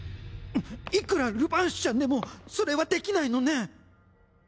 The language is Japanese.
いくらルヴァーンシュちゃんでもそれはできないのねん。